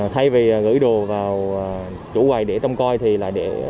thay vì gửi đồ vào chủ quầy để trông coi thì lại để